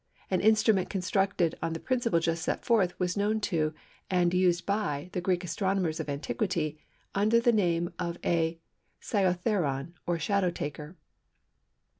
An instrument constructed on the principle just set forth was known to and used by the Greek astronomers of antiquity under the name of a Sciotheron or shadow taker.